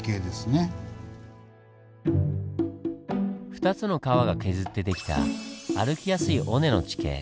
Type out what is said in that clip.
２つの川が削って出来た歩きやすい尾根の地形。